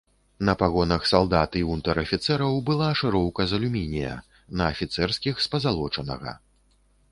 На пагонах салдат і ўнтэр-афіцэраў была шыфроўка з алюмінія, на афіцэрскіх з пазалочанага.